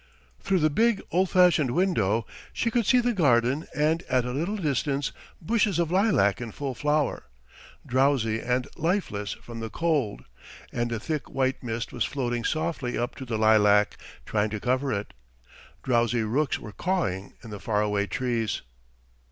Through the big old fashioned window she could see the garden and at a little distance bushes of lilac in full flower, drowsy and lifeless from the cold; and the thick white mist was floating softly up to the lilac, trying to cover it. Drowsy rooks were cawing in the far away trees.